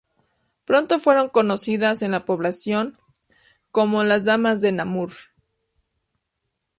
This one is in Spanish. Pronto fueron conocidas en la población como las Damas de Namur.